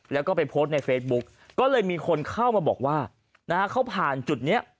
แล้วก็ไปโพสต์ในเฟซบุ๊กก็เลยมีคนเข้ามาบอกว่านะฮะเขาผ่านจุดนี้